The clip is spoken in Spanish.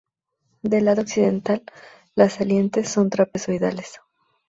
Del lado occidental las salientes son trapezoidales.